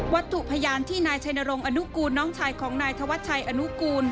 ถูกพยานที่นายชัยนรงค์อนุกูลน้องชายของนายธวัชชัยอนุกูล